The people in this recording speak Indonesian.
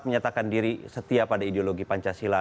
menyatakan diri setia pada ideologi pancasila